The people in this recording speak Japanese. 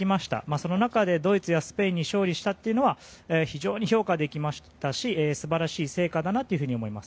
その中でドイツやスペインに勝利したというのは非常に評価できましたし素晴らしい成果だと思います。